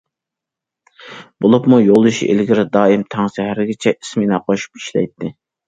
بولۇپمۇ يولدىشى ئىلگىرى دائىم تاڭ سەھەرگىچە ئىسمېنا قوشۇپ ئىشلەيتتى.